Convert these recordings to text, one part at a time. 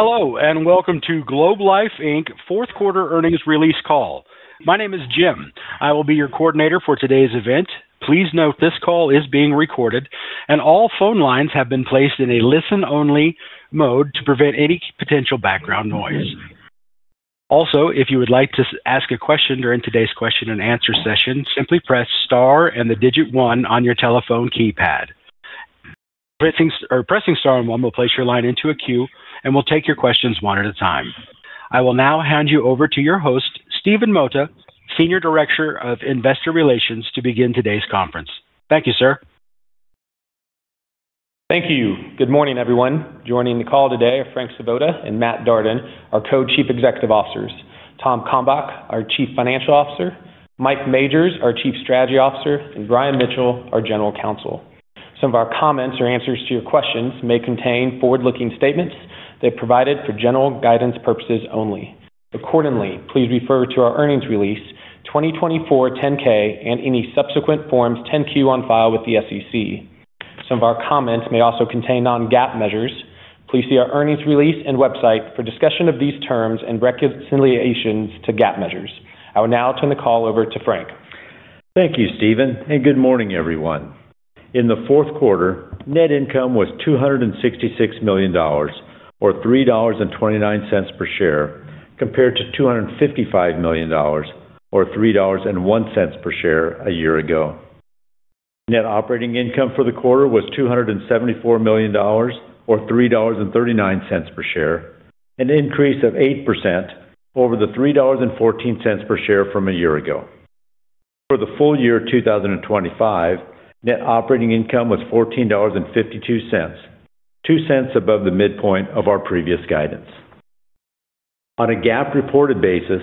Hello, and welcome to Globe Life Inc.'s fourth quarter earnings release call. My name is Jim. I will be your coordinator for today's event. Please note this call is being recorded, and all phone lines have been placed in a listen-only mode to prevent any potential background noise. Also, if you would like to ask a question during today's question and answer session, simply press Star and the digit One on your telephone keypad. Pressing, or pressing Star and One will place your line into a queue, and we'll take your questions one at a time. I will now hand you over to your host, Stephen Mora, Senior Director of Investor Relations, to begin today's conference. Thank you, sir. Thank you. Good morning, everyone. Joining the call today are Frank Svoboda and Matt Darden, our Co-Chief Executive Officers, Tom Kalmbach, our Chief Financial Officer, Mike Majors, our Chief Strategy Officer, and Brian Mitchell, our General Counsel. Some of our comments or answers to your questions may contain forward-looking statements. They're provided for general guidance purposes only. Accordingly, please refer to our earnings release, 2024 10-K, and any subsequent Forms 10-Q on file with the SEC. Some of our comments may also contain non-GAAP measures. Please see our earnings release and website for discussion of these terms and reconciliations to GAAP measures. I will now turn the call over to Frank. Thank you, Stephen, and good morning, everyone. In the fourth quarter, net income was $266 million or $3.29 per share, compared to $255 million or $3.01 per share a year ago. Net operating income for the quarter was $274 million, or $3.39 per share, an increase of 8% over the $3.14 per share from a year ago. For the full year 2025, net operating income was $14.52, 2 cents above the midpoint of our previous guidance. On a GAAP reported basis,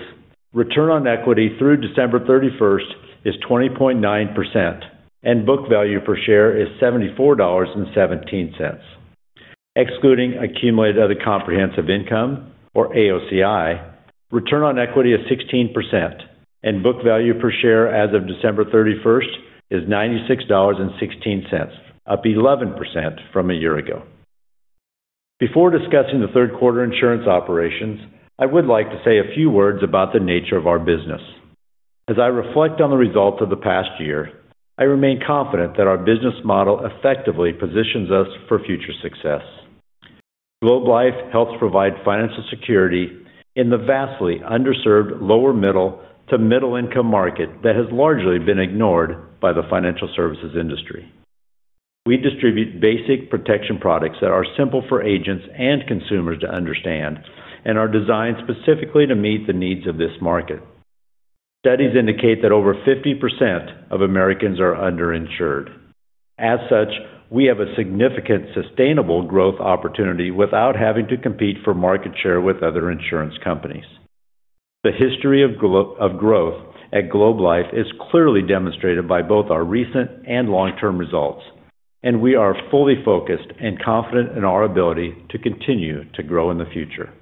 return on equity through December thirty-first is 20.9%, and book value per share is $74.17. Excluding accumulated other comprehensive income, or AOCI, return on equity is 16%, and book value per share as of December 31 is $96.16, up 11% from a year ago. Before discussing the third quarter insurance operations, I would like to say a few words about the nature of our business. As I reflect on the results of the past year, I remain confident that our business model effectively positions us for future success. Globe Life helps provide financial security in the vastly underserved lower-middle to middle-income market that has largely been ignored by the financial services industry. We distribute basic protection products that are simple for agents and consumers to understand and are designed specifically to meet the needs of this market. Studies indicate that over 50% of Americans are underinsured. As such, we have a significant sustainable growth opportunity without having to compete for market share with other insurance companies. The history of of growth at Globe Life is clearly demonstrated by both our recent and long-term results, and we are fully focused and confident in our ability to continue to grow in the future.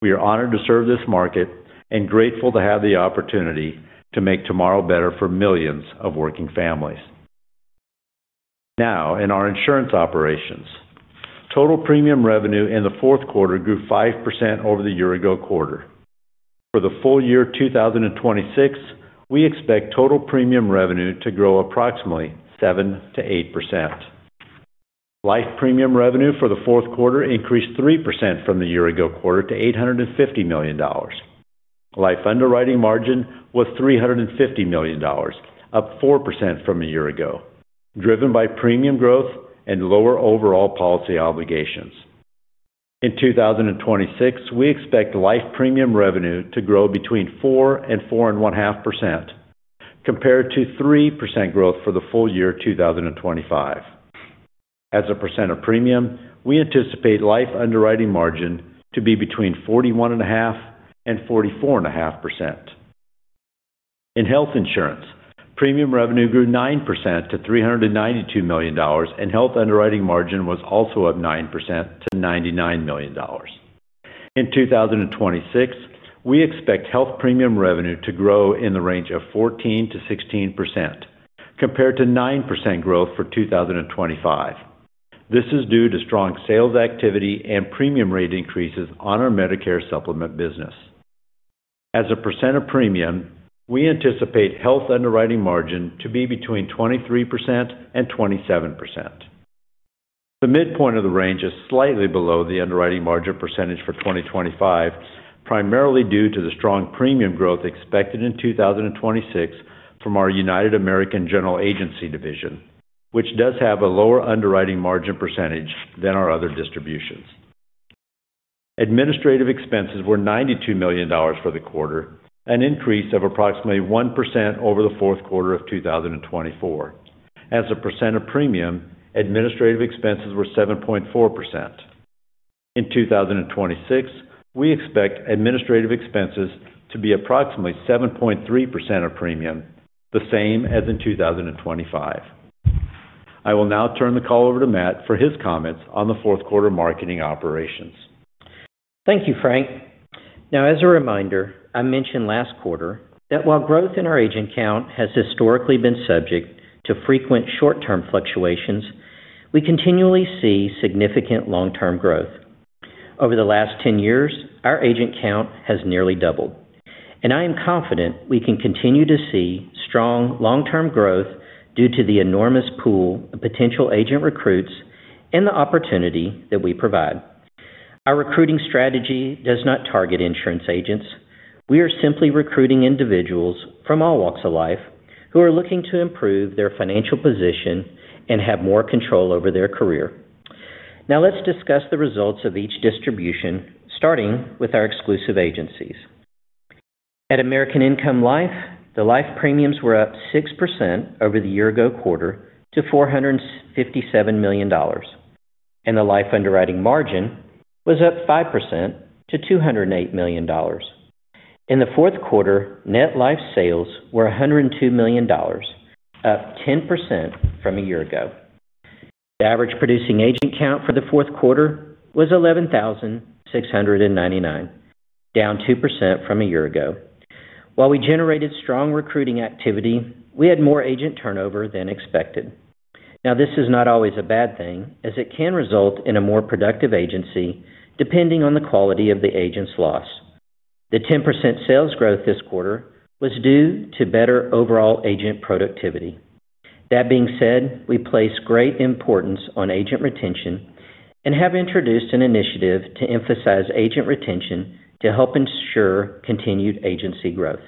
We are honored to serve this market and grateful to have the opportunity to make tomorrow better for millions of working families. Now, in our insurance operations, total premium revenue in the fourth quarter grew 5% over the year-ago quarter. For the full year 2026, we expect total premium revenue to grow approximately 7% to 8%. Life premium revenue for the fourth quarter increased 3% from the year-ago quarter to $850 million. Life underwriting margin was $350 million, up 4% from a year ago, driven by premium growth and lower overall policy obligations. In 2026, we expect life premium revenue to grow between 4% and 4.5%, compared to 3% growth for the full year 2025. As a % of premium, we anticipate life underwriting margin to be between 41.5% and 44.5%. In health insurance, premium revenue grew 9% to $392 million, and health underwriting margin was also up 9% to $99 million. In 2026, we expect health premium revenue to grow in the range of 14% to 16%, compared to 9% growth for 2025. This is due to strong sales activity and premium rate increases on our Medicare Supplement business. As a percent of premium, we anticipate health underwriting margin to be between 23% and 27%. The midpoint of the range is slightly below the underwriting margin percentage for 2025, primarily due to the strong premium growth expected in 2026 from our United American General Agency division, which does have a lower underwriting margin percentage than our other distributions. Administrative expenses were $92 million for the quarter, an increase of approximately 1% over the fourth quarter of 2024. As a percent of premium, administrative expenses were 7.4%. In 2026, we expect administrative expenses to be approximately 7.3% of premium, the same as in 2025. I will now turn the call over to Matt for his comments on the fourth quarter marketing operations. Thank you, Frank.... Now, as a reminder, I mentioned last quarter that while growth in our agent count has historically been subject to frequent short-term fluctuations, we continually see significant long-term growth. Over the last 10 years, our agent count has nearly doubled, and I am confident we can continue to see strong long-term growth due to the enormous pool of potential agent recruits and the opportunity that we provide. Our recruiting strategy does not target insurance agents. We are simply recruiting individuals from all walks of life who are looking to improve their financial position and have more control over their career. Now let's discuss the results of each distribution, starting with our exclusive agencies. At American Income Life, the life premiums were up 6% over the year ago quarter to $457 million, and the life underwriting margin was up 5% to $208 million. In the fourth quarter, net life sales were $102 million, up 10% from a year ago. The average producing agent count for the fourth quarter was 11,699, down 2% from a year ago. While we generated strong recruiting activity, we had more agent turnover than expected. Now, this is not always a bad thing, as it can result in a more productive agency, depending on the quality of the agent's loss. The 10% sales growth this quarter was due to better overall agent productivity. That being said, we place great importance on agent retention and have introduced an initiative to emphasize agent retention to help ensure continued agency growth.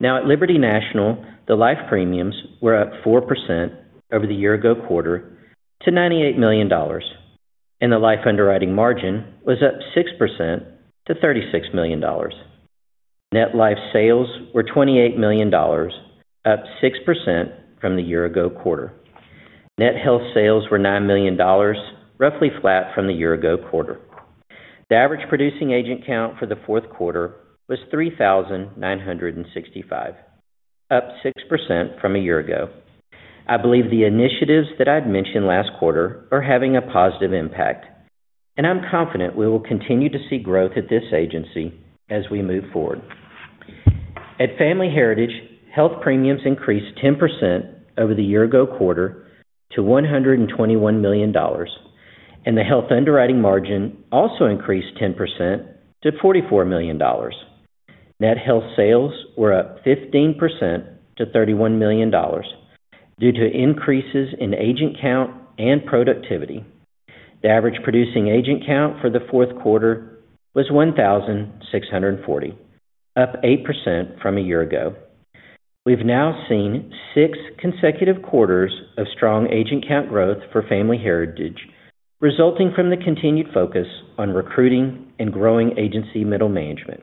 Now, at Liberty National, the life premiums were up 4% over the year-ago quarter to $98 million, and the life underwriting margin was up 6% to $36 million. Net life sales were $28 million, up 6% from the year-ago quarter. Net health sales were $9 million, roughly flat from the year-ago quarter. The average producing agent count for the fourth quarter was 3,965, up 6% from a year ago. I believe the initiatives that I'd mentioned last quarter are having a positive impact, and I'm confident we will continue to see growth at this agency as we move forward. At Family Heritage, health premiums increased 10% over the year ago quarter to $121 million, and the health underwriting margin also increased 10% to $44 million. Net health sales were up 15% to $31 million due to increases in agent count and productivity. The average producing agent count for the fourth quarter was 1,640, up 8% from a year ago. We've now seen six consecutive quarters of strong agent count growth for Family Heritage, resulting from the continued focus on recruiting and growing agency middle management.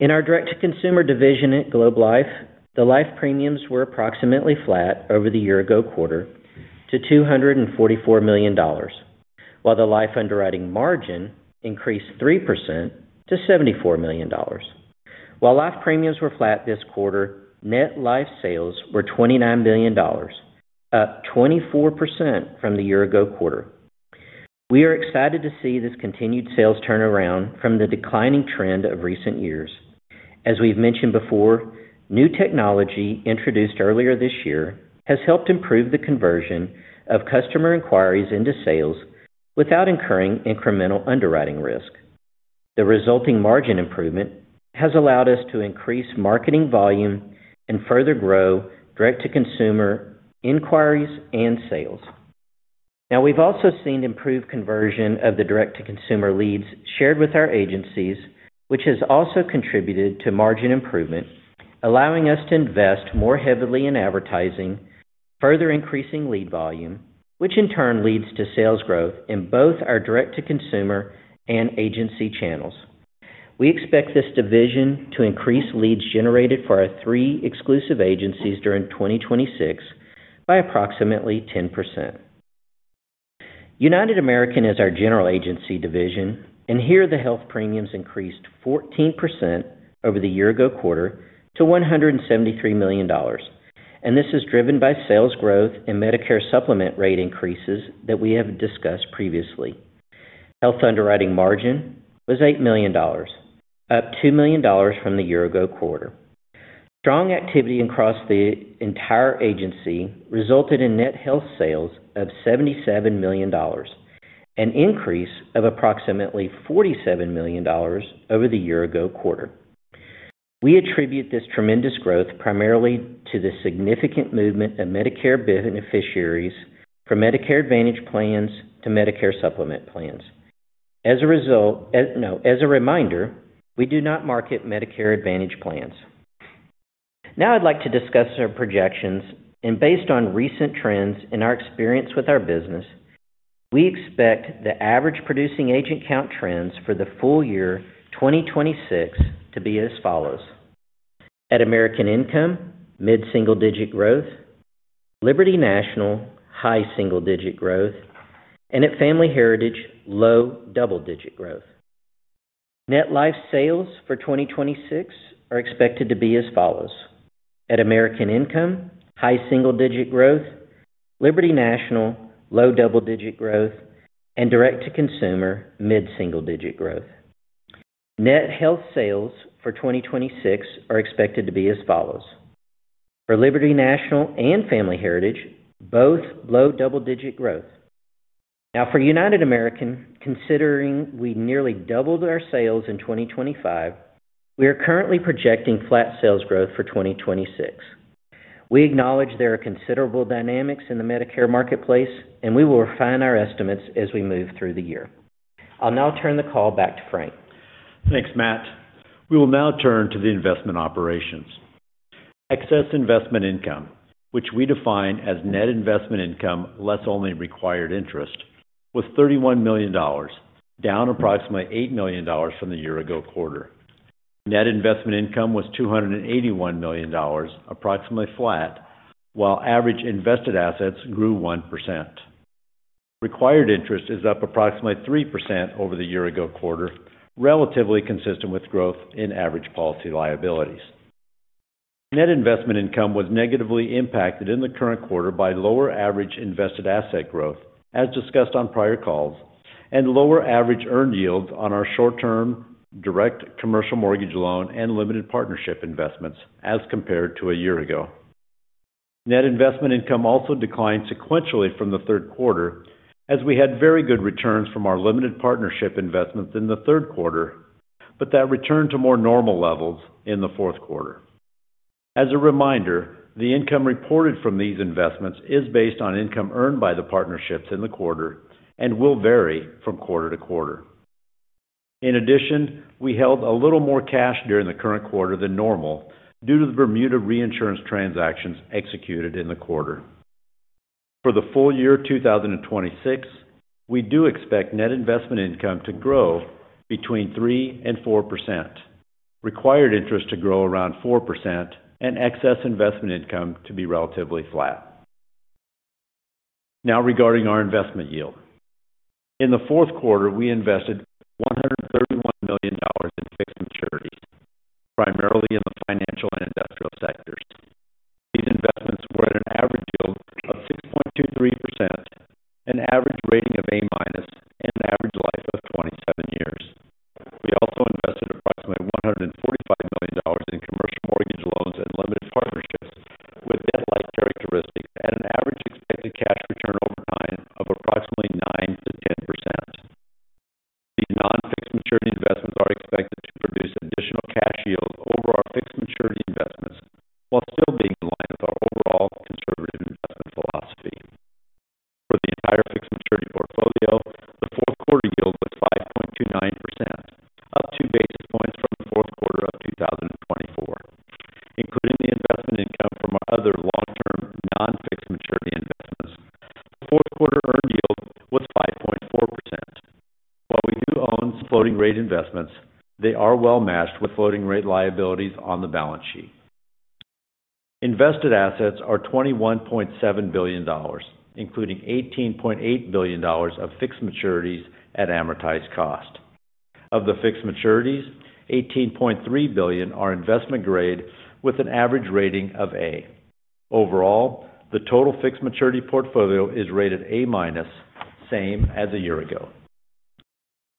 In our direct-to-consumer division at Globe Life, the life premiums were approximately flat over the year ago quarter to $244 million, while the life underwriting margin increased 3% to $74 million. While life premiums were flat this quarter, net life sales were $29 million, up 24% from the year ago quarter. We are excited to see this continued sales turnaround from the declining trend of recent years. As we've mentioned before, new technology introduced earlier this year has helped improve the conversion of customer inquiries into sales without incurring incremental underwriting risk. The resulting margin improvement has allowed us to increase marketing volume and further grow direct-to-consumer inquiries and sales. Now, we've also seen improved conversion of the direct-to-consumer leads shared with our agencies, which has also contributed to margin improvement, allowing us to invest more heavily in advertising, further increasing lead volume, which in turn leads to sales growth in both our direct-to-consumer and agency channels. We expect this division to increase leads generated for our three exclusive agencies during 2026 by approximately 10%. United American is our general agency division, and here the health premiums increased 14% over the year-ago quarter to $173 million. And this is driven by sales growth and Medicare Supplement rate increases that we have discussed previously. Health underwriting margin was $8 million, up $2 million from the year-ago quarter. Strong activity across the entire agency resulted in net health sales of $77 million, an increase of approximately $47 million over the year-ago quarter. We attribute this tremendous growth primarily to the significant movement of Medicare beneficiaries from Medicare Advantage plans to Medicare Supplement plans. As a result—no, as a reminder, we do not market Medicare Advantage plans. Now I'd like to discuss our projections, and based on recent trends and our experience with our business, we expect the average producing agent count trends for the full year 2026 to be as follows: at American Income, mid-single-digit growth, Liberty National, high single-digit growth, and at Family Heritage, low double-digit growth. Net life sales for 2026 are expected to be as follows: at American Income, high single-digit growth, Liberty National, low double-digit growth, and direct-to-consumer, mid-single-digit growth. Net health sales for 2026 are expected to be as follows: For Liberty National and Family Heritage, both low double-digit growth. Now, for United American, considering we nearly doubled our sales in 2025, we are currently projecting flat sales growth for 2026. We acknowledge there are considerable dynamics in the Medicare marketplace, and we will refine our estimates as we move through the year. I'll now turn the call back to Frank. Thanks, Matt. We will now turn to the investment operations. Excess investment income, which we define as net investment income, less only required interest, was $31 million, down approximately $8 million from the year ago quarter. Net investment income was $281 million, approximately flat, while average invested assets grew 1%. Required interest is up approximately 3% over the year ago quarter, relatively consistent with growth in average policy liabilities. Net investment income was negatively impacted in the current quarter by lower average invested asset growth, as discussed on prior calls, and lower average earned yields on our short-term direct commercial mortgage loan and limited partnership investments as compared to a year ago. Net investment income also declined sequentially from the third quarter, as we had very good returns from our limited partnership investments in the third quarter, but that returned to more normal levels in the fourth quarter. As a reminder, the income reported from these investments is based on income earned by the partnerships in the quarter and will vary from quarter to quarter. In addition, we held a little more cash during the current quarter than normal due to the Bermuda reinsurance transactions executed in the quarter. For the full year 2026, we do expect net investment income to grow between 3% and 4%, required interest to grow around 4%, and excess investment income to be relatively flat. Now, regarding our investment yield. In the fourth quarter, we invested $131 million in fixed maturities, primarily in the financial and industrial sectors. These investments were at an average yield of 6.23%, an average rating of A-, and an average life of 27 years. We also invested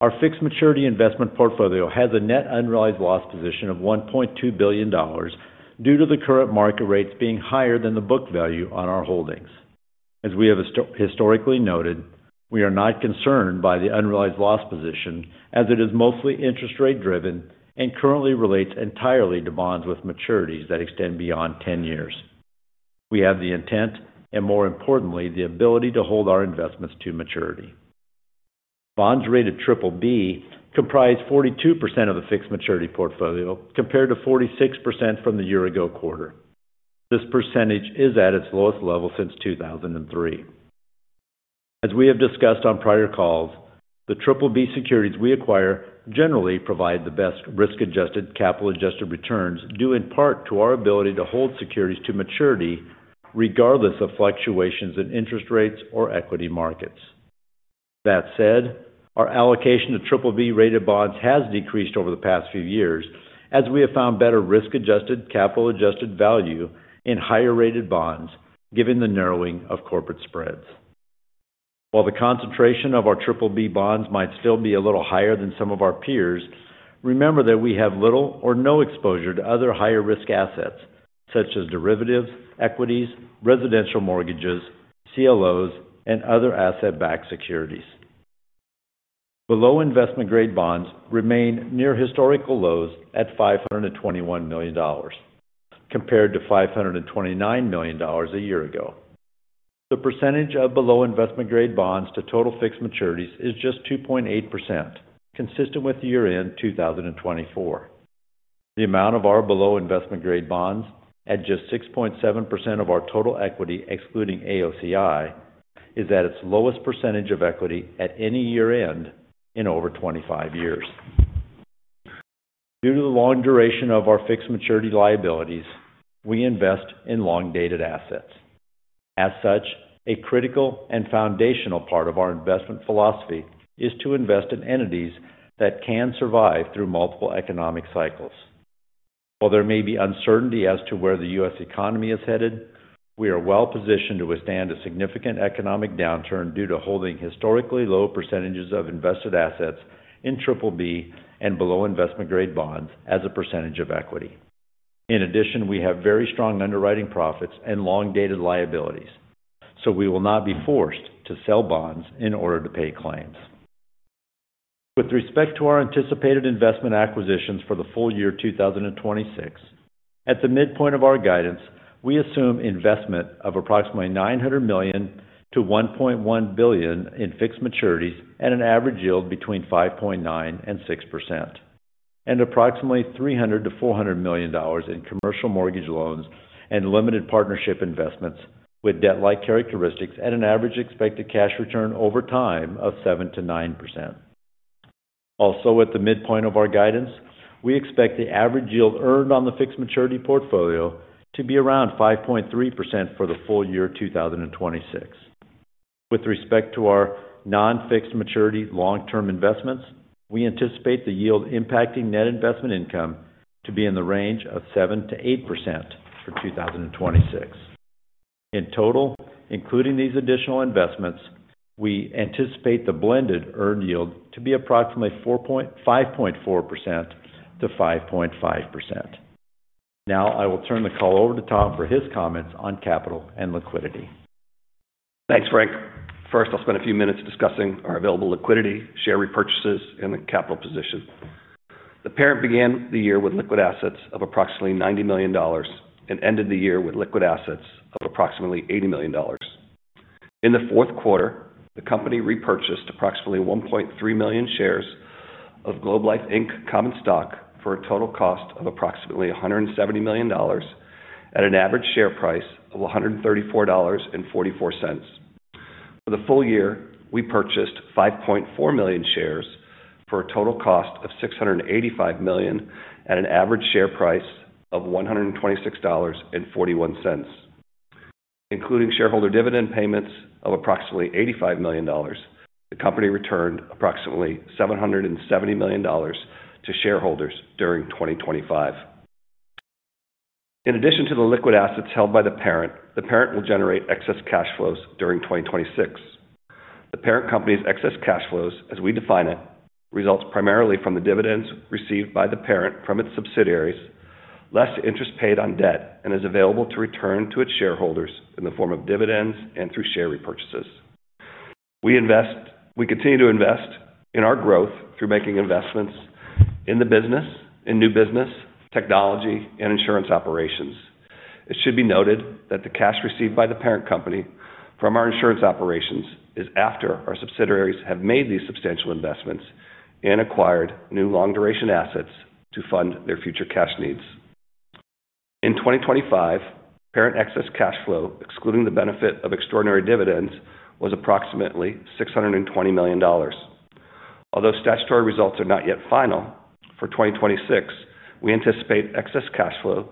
Our fixed maturity investment portfolio has a net unrealized loss position of $1.2 billion due to the current market rates being higher than the book value on our holdings. As we have historically noted, we are not concerned by the unrealized loss position, as it is mostly interest rate driven and currently relates entirely to bonds with maturities that extend beyond 10 years. We have the intent and, more importantly, the ability to hold our investments to maturity. Bonds rated BBB comprise 42% of the fixed maturity portfolio, compared to 46% from the year ago quarter. This percentage is at its lowest level since 2003. As we have discussed on prior calls, the BBB securities we acquire generally provide the best risk-adjusted, capital-adjusted returns, due in part to our ability to hold securities to maturity, regardless of fluctuations in interest rates or equity markets. That said, our allocation to BBB-rated bonds has decreased over the past few years, as we have found better risk-adjusted, capital-adjusted value in higher-rated bonds, given the narrowing of corporate spreads. While the concentration of our BBB bonds might still be a little higher than some of our peers, remember that we have little or no exposure to other higher-risk assets, such as derivatives, equities, residential mortgages, CLOs, and other asset-backed securities. Below investment-grade bonds remain near historical lows at $521 million, compared to $529 million a year ago. The percentage of below investment-grade bonds to total fixed maturities is just 2.8%, consistent with year-end 2024. The amount of our below investment-grade bonds, at just 6.7% of our total equity, excluding AOCI, is at its lowest percentage of equity at any year-end in over 25 years. Due to the long duration of our fixed maturity liabilities, we invest in long-dated assets. As such, a critical and foundational part of our investment philosophy is to invest in entities that can survive through multiple economic cycles. While there may be uncertainty as to where the U.S. economy is headed, we are well positioned to withstand a significant economic downturn due to holding historically low percentages of invested assets in triple B and below investment grade bonds as a percentage of equity. In addition, we have very strong underwriting profits and long-dated liabilities, so we will not be forced to sell bonds in order to pay claims. With respect to our anticipated investment acquisitions for the full year 2026, at the midpoint of our guidance, we assume investment of approximately $900 million to $1.1 billion in fixed maturities at an average yield between 5.9% and 6%, and approximately $300 million to$400 million in commercial mortgage loans and limited partnership investments with debt-like characteristics at an average expected cash return over time of 7% to9%. Also, at the midpoint of our guidance, we expect the average yield earned on the fixed maturity portfolio to be around 5.3% for the full year 2026. With respect to our non-fixed maturity long-term investments, we anticipate the yield impacting net investment income to be in the range of 7% to 8% for 2026. In total, including these additional investments, we anticipate the blended earned yield to be approximately 5.4% to 5.5%. Now, I will turn the call over to Tom for his comments on capital and liquidity. Thanks, Frank. First, I'll spend a few minutes discussing our available liquidity, share repurchases, and the capital position. The parent began the year with liquid assets of approximately $90 million and ended the year with liquid assets of approximately $80 million. In the fourth quarter, the company repurchased approximately 1.3 million shares of Globe Life Inc. common stock for a total cost of approximately $170 million at an average share price of $134.44. For the full year, we purchased 5.4 million shares for a total cost of $685 million at an average share price of $126.41. Including shareholder dividend payments of approximately $85 million, the company returned approximately $770 million to shareholders during 2025. In addition to the liquid assets held by the parent, the parent will generate excess cash flows during 2026. The parent company's excess cash flows, as we define it, results primarily from the dividends received by the parent from its subsidiaries, less interest paid on debt, and is available to return to its shareholders in the form of dividends and through share repurchases. We continue to invest in our growth through making investments in the business, in new business, technology, and insurance operations. It should be noted that the cash received by the parent company from our insurance operations is after our subsidiaries have made these substantial investments and acquired new long-duration assets to fund their future cash needs. In 2025, parent excess cash flow, excluding the benefit of extraordinary dividends, was approximately $620 million. Although statutory results are not yet final, for 2026, we anticipate excess cash flow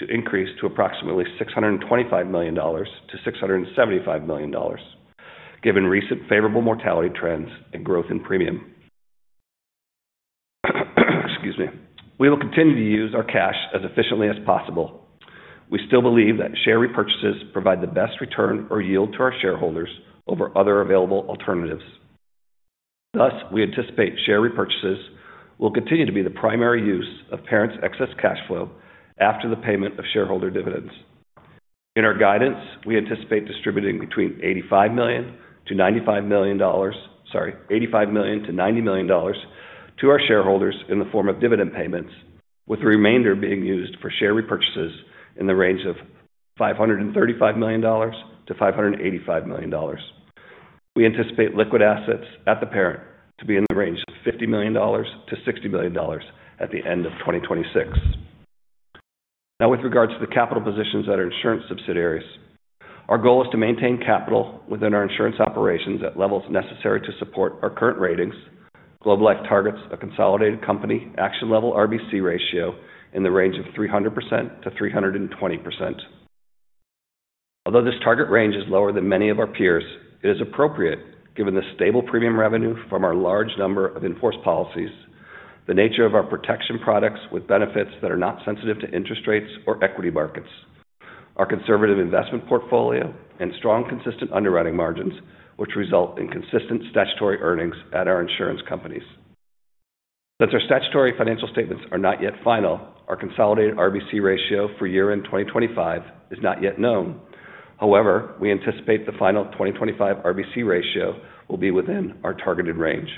to increase to approximately $625 million to $675 million, given recent favorable mortality trends and growth in premium. Excuse me. We will continue to use our cash as efficiently as possible. We still believe that share repurchases provide the best return or yield to our shareholders over other available alternatives. Thus, we anticipate share repurchases will continue to be the primary use of parent's excess cash flow after the payment of shareholder dividends. In our guidance, we anticipate distributing between $85 million-$95 million... Sorry, $85 million to $90 million to our shareholders in the form of dividend payments, with the remainder being used for share repurchases in the range of $535 million to $585 million. We anticipate liquid assets at the parent to be in the range of $50 million to $60 million at the end of 2026. Now, with regards to the capital positions at our insurance subsidiaries, our goal is to maintain capital within our insurance operations at levels necessary to support our current ratings. Globe Life targets a consolidated company action level RBC ratio in the range of 300% to 320%. Although this target range is lower than many of our peers, it is appropriate given the stable premium revenue from our large number of in-force policies, the nature of our protection products with benefits that are not sensitive to interest rates or equity markets, our conservative investment portfolio, and strong, consistent underwriting margins, which result in consistent statutory earnings at our insurance companies. Since our statutory financial statements are not yet final, our consolidated RBC ratio for year-end 2025 is not yet known. However, we anticipate the final 2025 RBC ratio will be within our targeted range.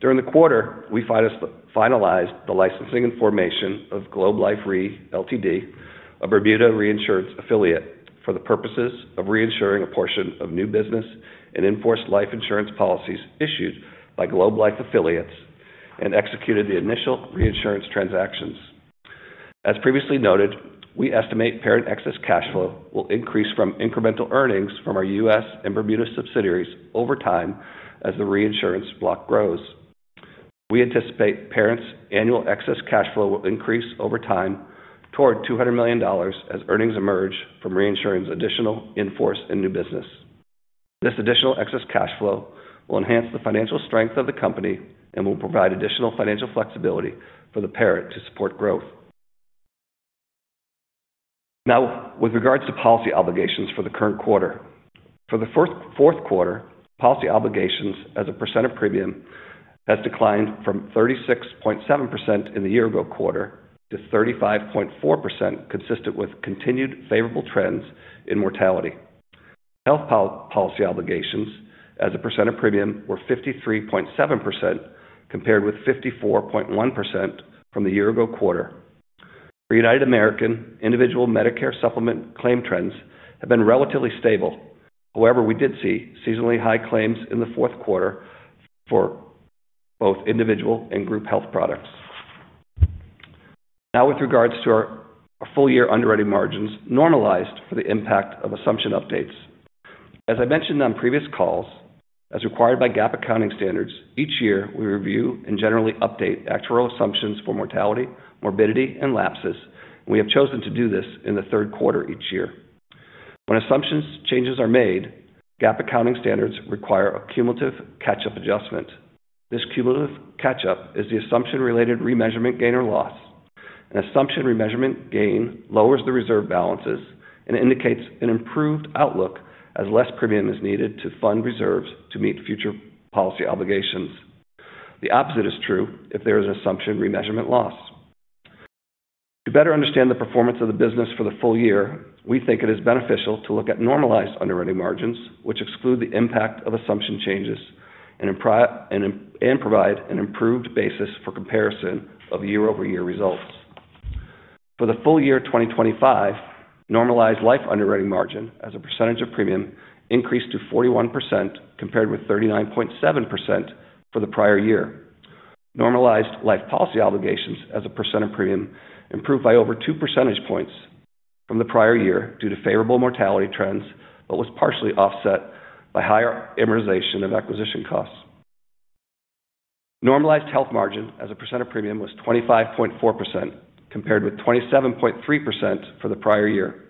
During the quarter, we finalized the licensing and formation of Globe Life Re Ltd, a Bermuda reinsurance affiliate, for the purposes of reinsuring a portion of new business and in-force life insurance policies issued by Globe Life affiliates and executed the initial reinsurance transactions. As previously noted, we estimate parent excess cash flow will increase from incremental earnings from our U.S. and Bermuda subsidiaries over time as the reinsurance block grows. We anticipate parent's annual excess cash flow will increase over time toward $200 million as earnings emerge from reinsuring additional in-force and new business. This additional excess cash flow will enhance the financial strength of the company and will provide additional financial flexibility for the parent to support growth. Now, with regards to policy obligations for the current quarter. For the fourth quarter, policy obligations as a percent of premium has declined from 36.7% in the year ago quarter to 35.4%, consistent with continued favorable trends in mortality. Health policy obligations as a percent of premium were 53.7%, compared with 54.1% from the year ago quarter. For United American, individual Medicare supplement claim trends have been relatively stable. However, we did see seasonally high claims in the fourth quarter for both individual and group health products. Now, with regards to our full-year underwriting margins, normalized for the impact of assumption updates. As I mentioned on previous calls, as required by GAAP accounting standards, each year, we review and generally update actuarial assumptions for mortality, morbidity, and lapses. We have chosen to do this in the third quarter each year. When assumptions changes are made, GAAP accounting standards require a cumulative catch-up adjustment. This cumulative catch-up is the assumption-related remeasurement gain or loss. An assumption remeasurement gain lowers the reserve balances and indicates an improved outlook, as less premium is needed to fund reserves to meet future policy obligations. The opposite is true if there is an assumption remeasurement loss. To better understand the performance of the business for the full year, we think it is beneficial to look at normalized underwriting margins, which exclude the impact of assumption changes and provide an improved basis for comparison of year-over-year results. For the full year 2025, normalized life underwriting margin, as a percentage of premium, increased to 41%, compared with 39.7% for the prior year. Normalized life policy obligations as a percent of premium, improved by over 2 percentage points from the prior year due to favorable mortality trends, but was partially offset by higher amortization of acquisition costs. Normalized health margin as a percent of premium was 25.4%, compared with 27.3% for the prior year,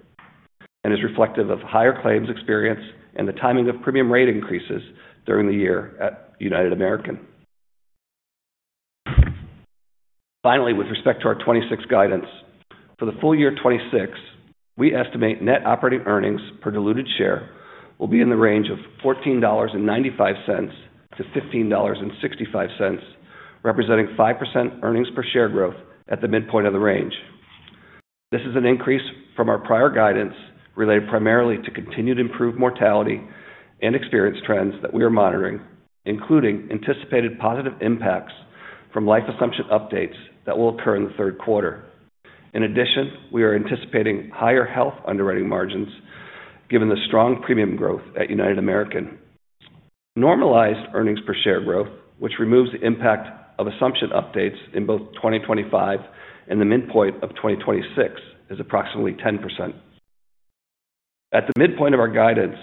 and is reflective of higher claims experience and the timing of premium rate increases during the year at United American. Finally, with respect to our 2026 guidance, for the full year 2026, we estimate net operating earnings per diluted share will be in the range of $14.95-$15.65, representing 5% earnings per share growth at the midpoint of the range. This is an increase from our prior guidance, related primarily to continued improved mortality and experience trends that we are monitoring, including anticipated positive impacts from life assumption updates that will occur in the third quarter. In addition, we are anticipating higher health underwriting margins, given the strong premium growth at United American. Normalized earnings per share growth, which removes the impact of assumption updates in both 2025 and the midpoint of 2026, is approximately 10%. At the midpoint of our guidance,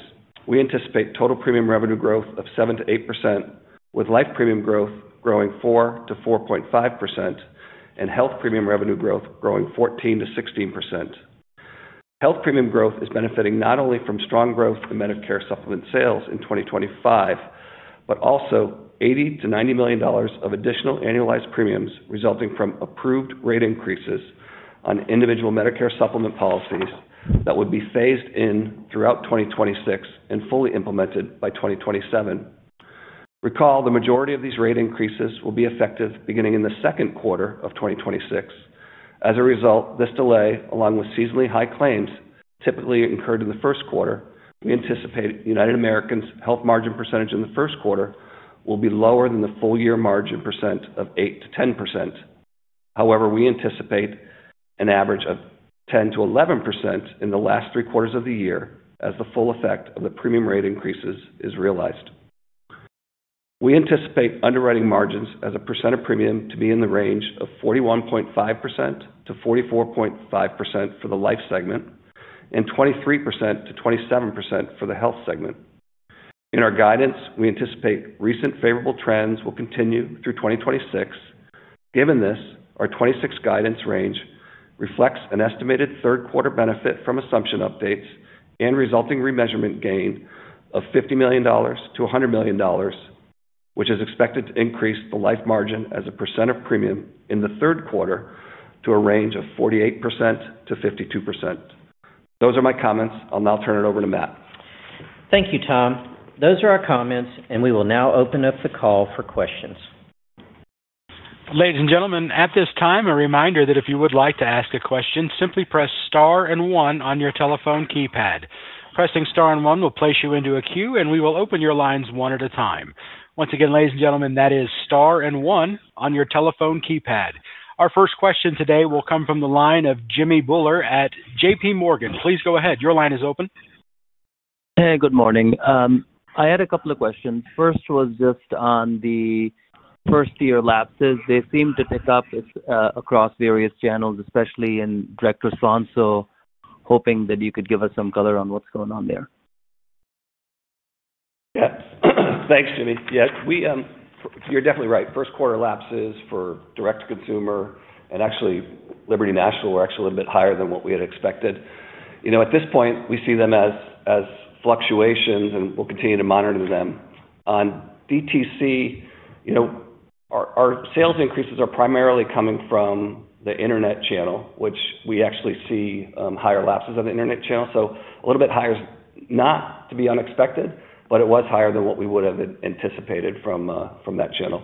we anticipate total premium revenue growth of 7% to 8%, with life premium growth growing 4% to 4.5% and health premium revenue growth growing 14% to 16%. Health premium growth is benefiting not only from strong growth in Medicare Supplement sales in 2025, but also $80 million to $90 million of additional annualized premiums, resulting from approved rate increases on individual Medicare Supplement policies that would be phased in throughout 2026 and fully implemented by 2027. Recall, the majority of these rate increases will be effective beginning in the second quarter of 2026. As a result, this delay, along with seasonally high claims, typically incurred in the first quarter, we anticipate United American's health margin percentage in the first quarter will be lower than the full year margin percent of 8% to 10%. However, we anticipate an average of 10% to 11% in the last three quarters of the year, as the full effect of the premium rate increases is realized. We anticipate underwriting margins as a percent of premium to be in the range of 41.5% to 44.5% for the life segment and 23% to 27% for the health segment. In our guidance, we anticipate recent favorable trends will continue through 2026. Given this, our 2026 guidance range reflects an estimated third quarter benefit from assumption updates and resulting remeasurement gain of $50 million to $100 million, which is expected to increase the life margin as a percent of premium in the third quarter to a range of 48% to 52%. Those are my comments. I'll now turn it over to Matt. Thank you, Tom. Those are our comments, and we will now open up the call for questions. Ladies and gentlemen, at this time, a reminder that if you would like to ask a question, simply press star and one on your telephone keypad. Pressing star and one will place you into a queue, and we will open your lines one at a time. Once again, ladies and gentlemen, that is star and one on your telephone keypad. Our first question today will come from the line of Jimmy Bhullar at JPMorgan. Please go ahead. Your line is open. Hey, good morning. I had a couple of questions. First, was just on the first-year lapses. They seemed to pick up across various channels, especially in direct response. So hoping that you could give us some color on what's going on there. Yeah. Thanks, Jimmy. Yes, we... You're definitely right. First quarter lapses for direct-to-consumer, and actually Liberty National, were actually a little bit higher than what we had expected. You know, at this point, we see them as, as fluctuations, and we'll continue to monitor them. On DTC, you know, our, our sales increases are primarily coming from the internet channel, which we actually see higher lapses on the internet channel. So a little bit higher, not to be unexpected, but it was higher than what we would have anticipated from that channel.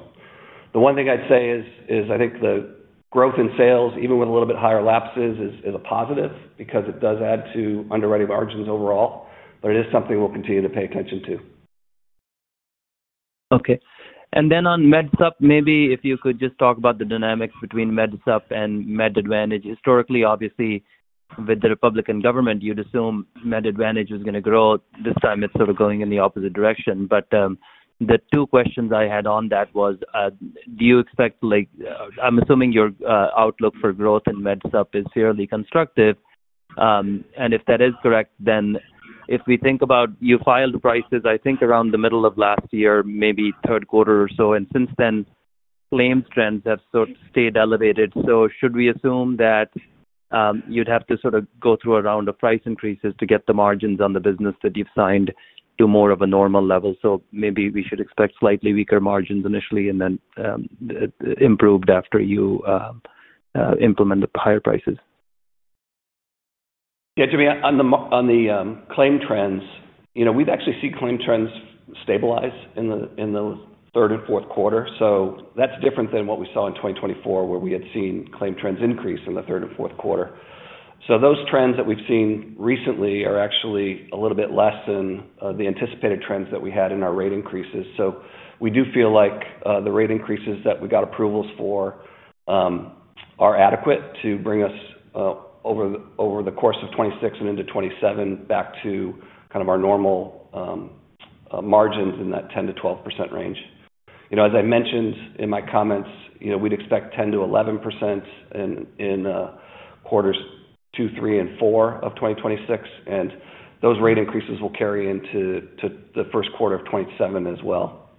The one thing I'd say is, is I think the growth in sales, even with a little bit higher lapses, is, is a positive because it does add to underwriting margins overall, but it is something we'll continue to pay attention to. Okay. And then on MedSup, maybe if you could just talk about the dynamics between MedSup and Med Advantage. Historically, obviously, with the Republican government, you'd assume Med Advantage is gonna grow. This time, it's sort of going in the opposite direction. But the two questions I had on that was, do you expect, like, I'm assuming your outlook for growth in MedSup is fairly constructive. And if that is correct, then if we think about you filed prices, I think, around the middle of last year, maybe third quarter or so, and since then, claim trends have sort of stayed elevated. So should we assume that, you'd have to sort of go through a round of price increases to get the margins on the business that you've signed to more of a normal level? Maybe we should expect slightly weaker margins initially, and then improved after you implement the higher prices. Yeah, Jimmy, on the claim trends, you know, we've actually seen claim trends stabilize in the third and fourth quarter. So that's different than what we saw in 2024, where we had seen claim trends increase in the third and fourth quarter. So those trends that we've seen recently are actually a little bit less than the anticipated trends that we had in our rate increases. So we do feel like the rate increases that we got approvals for are adequate to bring us over the course of 2026 and into 2027, back to kind of our normal margins in that 10%-12% range. You know, as I mentioned in my comments, you know, we'd expect 10%-11% in quarters 2, 3, and 4 of 2026, and those rate increases will carry into the first quarter of 2027 as well.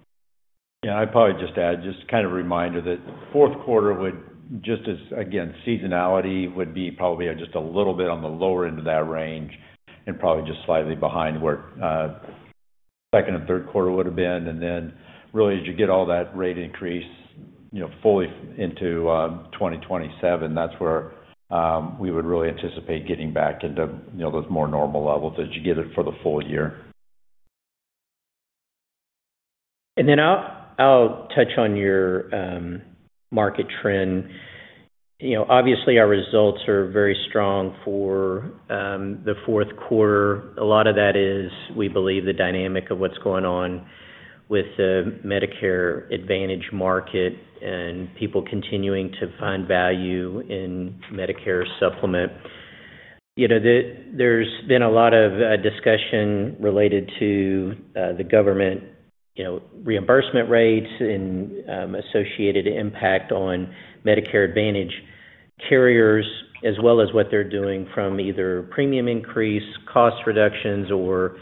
Yeah, I'd probably just add, just kind of a reminder, that fourth quarter would just as, again, seasonality would be probably just a little bit on the lower end of that range and probably just slightly behind where second and third quarter would have been. And then really, as you get all that rate increase, you know, fully into 2027, that's where we would really anticipate getting back into, you know, those more normal levels as you get it for the full year. Then I'll touch on your market trend. You know, obviously, our results are very strong for the fourth quarter. A lot of that is, we believe, the dynamic of what's going on with the Medicare Advantage market and people continuing to find value in Medicare Supplement. You know, there's been a lot of discussion related to the government, you know, reimbursement rates and associated impact on Medicare Advantage carriers, as well as what they're doing from either premium increase, cost reductions, or,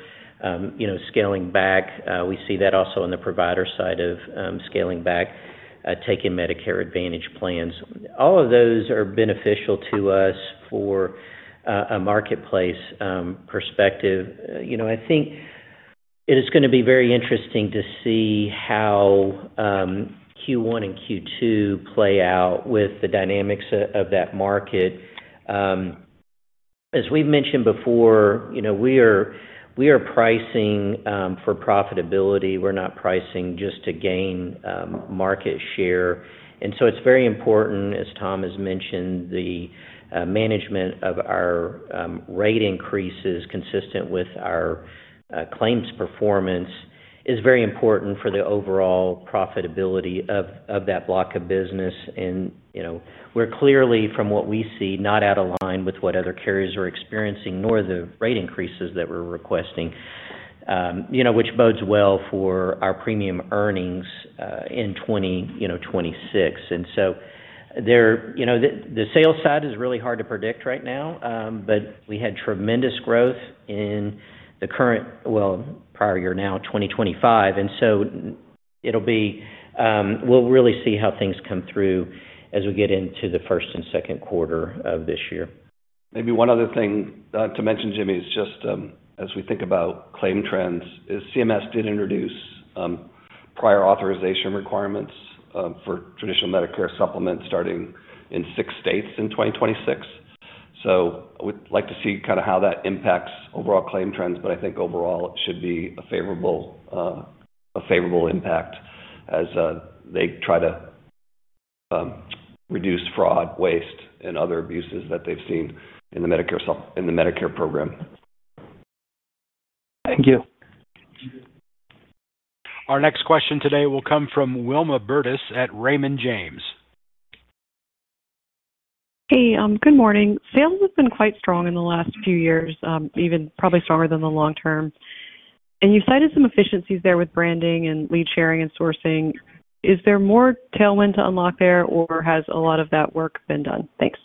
you know, scaling back. We see that also on the provider side of scaling back taking Medicare Advantage plans. All of those are beneficial to us for a marketplace perspective. You know, I think it is gonna be very interesting to see how Q1 and Q2 play out with the dynamics of that market. As we've mentioned before, you know, we are pricing for profitability. We're not pricing just to gain market share. And so it's very important, as Tom has mentioned, the management of our rate increases, consistent with our claims performance, is very important for the overall profitability of that block of business. And, you know, we're clearly, from what we see, not out of line with what other carriers are experiencing, nor the rate increases that we're requesting, you know, which bodes well for our premium earnings in 2026. And so there... You know, the sales side is really hard to predict right now, but we had tremendous growth in the current, well, prior year, now 2025. And so it'll be. We'll really see how things come through as we get into the first and second quarter of this year. Maybe one other thing to mention, Jimmy, is just, as we think about claim trends, is CMS did introduce prior authorization requirements for traditional Medicare supplements starting in six states in 2026. So we'd like to see kind of how that impacts overall claim trends, but I think overall it should be a favorable, a favorable impact as they try to reduce fraud, waste, and other abuses that they've seen in the Medicare program. Thank you. Our next question today will come from Wilma Burdis at Raymond James. Hey, good morning. Sales have been quite strong in the last few years, even probably stronger than the long term. And you cited some efficiencies there with branding and lead sharing and sourcing. Is there more tailwind to unlock there, or has a lot of that work been done? Thanks....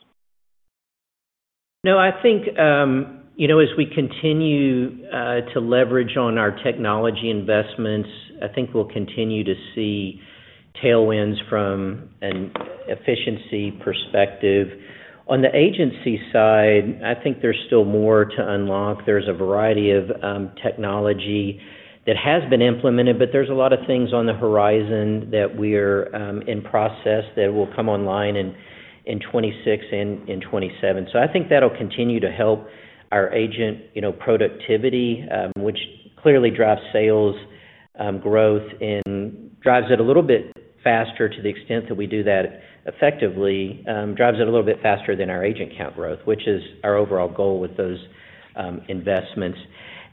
No, I think, you know, as we continue to leverage on our technology investments, I think we'll continue to see tailwinds from an efficiency perspective. On the agency side, I think there's still more to unlock. There's a variety of technology that has been implemented, but there's a lot of things on the horizon that we're in process that will come online in 2026 and in 2027. So I think that'll continue to help our agent, you know, productivity, which clearly drives sales growth and drives it a little bit faster to the extent that we do that effectively, drives it a little bit faster than our agent count growth, which is our overall goal with those investments.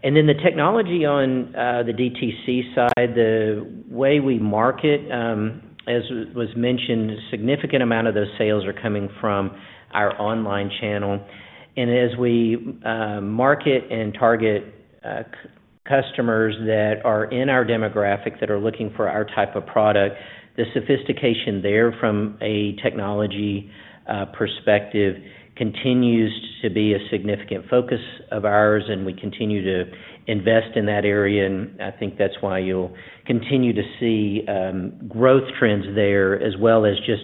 Then the technology on the DTC side, the way we market, as was mentioned, a significant amount of those sales are coming from our online channel. As we market and target customers that are in our demographic, that are looking for our type of product, the sophistication there from a technology perspective continues to be a significant focus of ours, and we continue to invest in that area. I think that's why you'll continue to see growth trends there, as well as just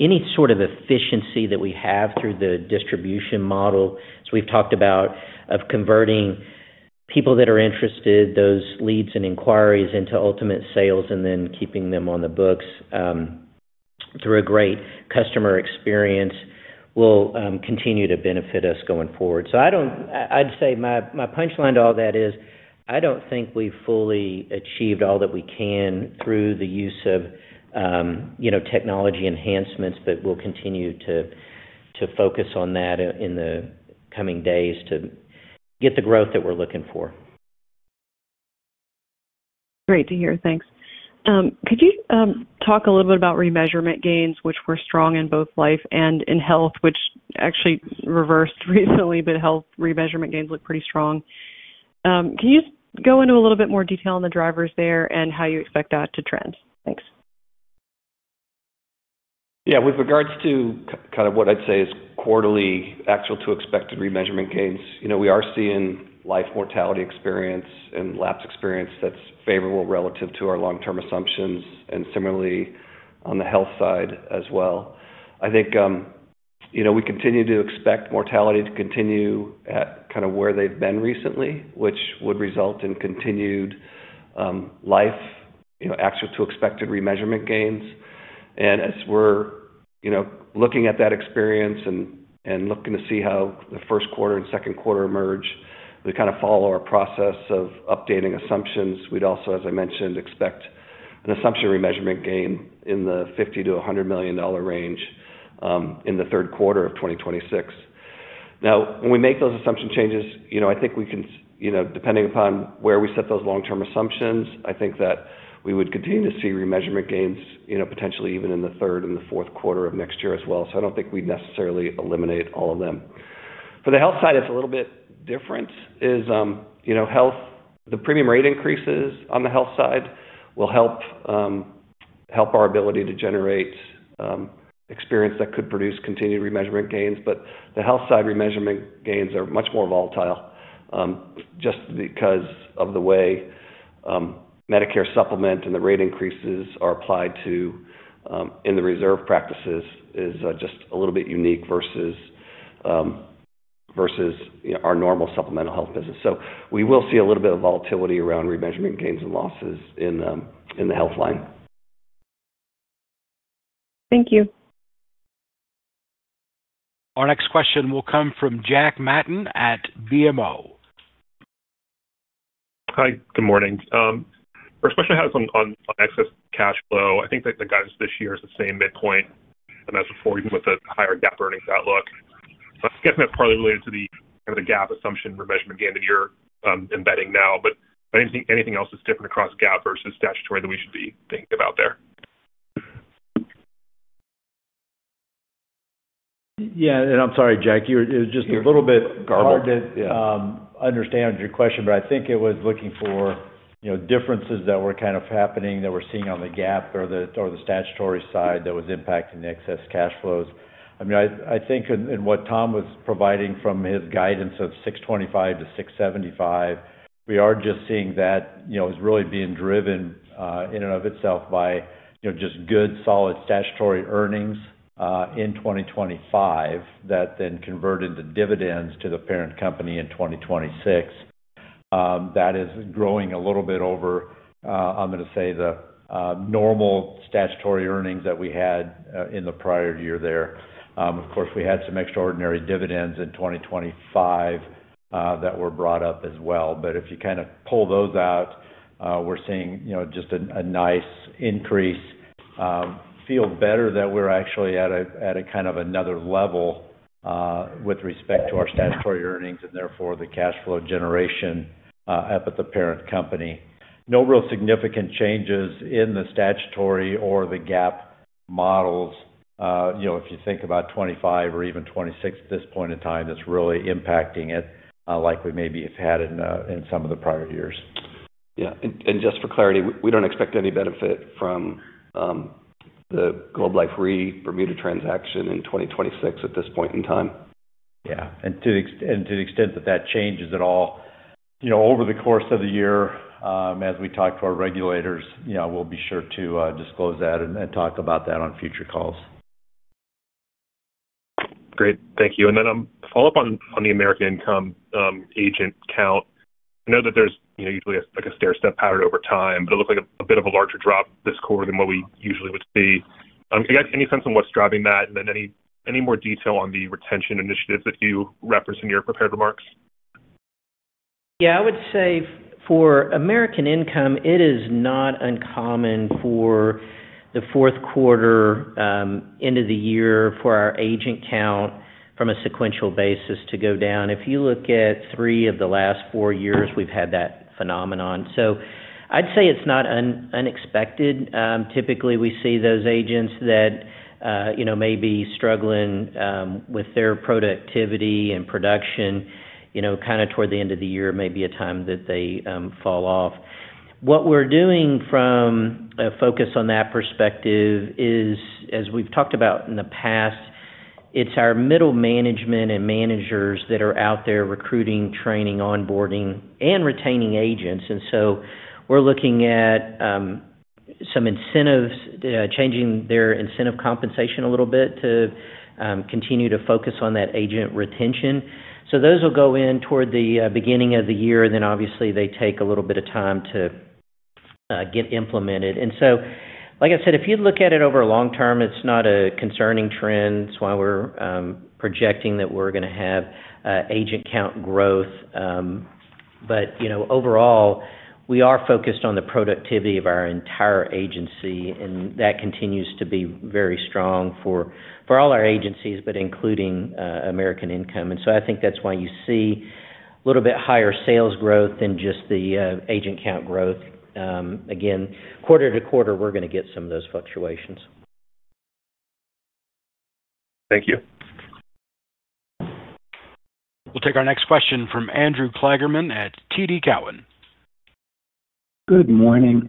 any sort of efficiency that we have through the distribution model. As we've talked about, of converting people that are interested, those leads and inquiries into ultimate sales, and then keeping them on the books through a great customer experience will continue to benefit us going forward. So I'd say my punchline to all that is, I don't think we've fully achieved all that we can through the use of, you know, technology enhancements, but we'll continue to focus on that in the coming days to get the growth that we're looking for. Great to hear. Thanks. Could you talk a little bit about remeasurement gains, which were strong in both life and in health, which actually reversed recently, but health remeasurement gains look pretty strong. Can you go into a little bit more detail on the drivers there and how you expect that to trend? Thanks. Yeah. With regards to kind of what I'd say is quarterly actual to expected remeasurement gains, you know, we are seeing life mortality experience and lapse experience that's favorable relative to our long-term assumptions, and similarly on the health side as well. I think, you know, we continue to expect mortality to continue at kind of where they've been recently, which would result in continued, life, you know, actual to expected remeasurement gains. And as we're, you know, looking at that experience and looking to see how the first quarter and second quarter emerge, we kind of follow our process of updating assumptions. We'd also, as I mentioned, expect an assumption remeasurement gain in the $50-$100 million range, in the third quarter of 2026. Now, when we make those assumption changes, you know, I think we can, you know, depending upon where we set those long-term assumptions, I think that we would continue to see remeasurement gains, you know, potentially even in the third and the fourth quarter of next year as well. So I don't think we'd necessarily eliminate all of them. For the health side, it's a little bit different, you know, the premium rate increases on the health side will help our ability to generate experience that could produce continued remeasurement gains. But the health side, remeasurement gains are much more volatile, just because of the way, Medicare Supplement and the rate increases are applied to in the reserve practices is just a little bit unique versus, you know, our normal supplemental health business. So we will see a little bit of volatility around remeasurement gains and losses in the health line. Thank you. Our next question will come from Jeff Schmitt at BMO. Hi, good morning. First question I have is on excess cash flow. I think that the guidance this year is the same midpoint as before, even with the higher GAAP earnings outlook. So I was getting that partly related to the kind of the GAAP assumption for measurement gain that you're embedding now. But anything else that's different across GAAP versus statutory that we should be thinking about there? Yeah, and I'm sorry, Jack, you were just a little bit- Garbled. It's hard to understand your question, but I think it was looking for, you know, differences that were kind of happening, that we're seeing on the GAAP or the statutory side that was impacting the excess cash flows. I mean, I think in what Tom was providing from his guidance of 625 to 675, we are just seeing that, you know, is really being driven in and of itself by, you know, just good, solid statutory earnings in 2025, that then converted to dividends to the parent company in 2026. That is growing a little bit over, I'm going to say, the normal statutory earnings that we had in the prior year there. Of course, we had some extraordinary dividends in 2025 that were brought up as well. But if you kind of pull those out, we're seeing, you know, just a, a nice increase, feel better that we're actually at a, at a kind of another level, with respect to our statutory earnings and therefore the cash flow generation, at the parent company. No real significant changes in the statutory or the GAAP models. You know, if you think about 2025 or even 2026 at this point in time, that's really impacting it, like we maybe have had in, in some of the prior years.... Yeah, and just for clarity, we don't expect any benefit from the Globe Life Re Bermuda transaction in 2026 at this point in time? Yeah, and to the extent that that changes at all, you know, over the course of the year, as we talk to our regulators, you know, we'll be sure to disclose that and talk about that on future calls. Great. Thank you. And then, follow up on the American Income agent count. I know that there's usually, like, a stairstep pattern over time, but it looks like a bit of a larger drop this quarter than what we usually would see. You guys any sense on what's driving that, and then any more detail on the retention initiatives that you referenced in your prepared remarks? Yeah, I would say for American Income, it is not uncommon for the fourth quarter, end of the year for our agent count from a sequential basis to go down. If you look at three of the last four years, we've had that phenomenon. So I'd say it's not unexpected. Typically, we see those agents that, you know, may be struggling with their productivity and production, you know, kind of toward the end of the year, may be a time that they fall off. What we're doing from a focus on that perspective is, as we've talked about in the past, it's our middle management and managers that are out there recruiting, training, onboarding, and retaining agents. And so we're looking at some incentives, changing their incentive compensation a little bit to continue to focus on that agent retention. So those will go in toward the beginning of the year, then obviously, they take a little bit of time to get implemented. So, like I said, if you look at it over a long term, it's not a concerning trend. It's why we're projecting that we're going to have agent count growth. But, you know, overall, we are focused on the productivity of our entire agency, and that continues to be very strong for all our agencies, but including American Income. So I think that's why you see a little bit higher sales growth than just the agent count growth. Again, quarter to quarter, we're going to get some of those fluctuations. Thank you. We'll take our next question from Andrew Kligerman at TD Cowen. Good morning.